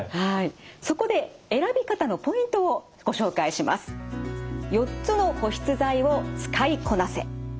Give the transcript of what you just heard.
そこで選び方のポイントをご紹介します。